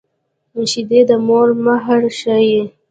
شیدې د مور مهر ښيي